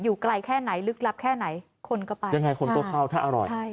ไกลแค่ไหนลึกลับแค่ไหนคนก็ไปยังไงคนก็เข้าถ้าอร่อยใช่